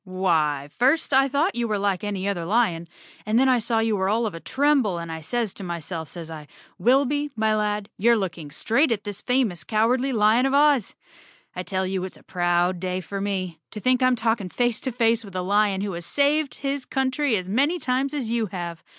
"Why, first I thought you were like any other lion, 112 Chapter Nine then I saw you were all of a tremble, and I says to my¬ self, says I, 'Wilby, my lad, you're looking straight at this famous Cowardly Lion of Oz.' I tell you it's a proud day for me. To think I'm talking face to face with a lion who has saved his country as many times as you have.